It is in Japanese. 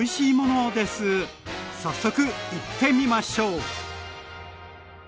早速いってみましょう！